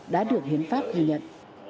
đã được hiến pháp ghi nhận